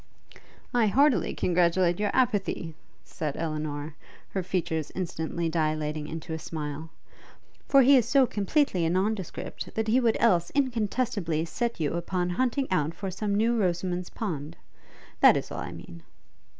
'I heartily congratulate your apathy!' said Elinor, her features instantly dilating into a smile; 'for he is so completely a non descript, that he would else incontestably set you upon hunting out for some new Rosamund's Pond. That is all I mean.'